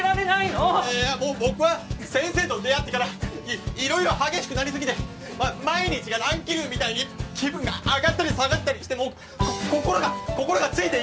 もう僕は先生と出会ってからいろいろ激しくなりすぎて毎日が乱気流みたいに気分が上がったり下がったりしてもう心が心がついていけないんです！